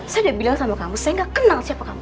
saya udah bilang sama kamu saya gak kenal siapa kamu